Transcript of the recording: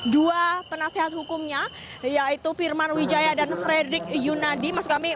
dua penasihat hukumnya yaitu firman wijaya dan fredrik yunadi